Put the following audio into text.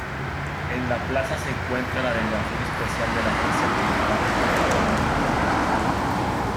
En la plaza se encuentra la Delegación Especial de la Agencia Tributaria en Cataluña.